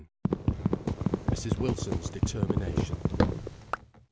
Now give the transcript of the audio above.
MRS. WILSON'S DETERMINATION.